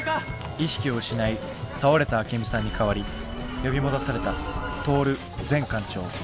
意識を失い倒れたアケミさんに代わり呼び戻されたトオル前艦長。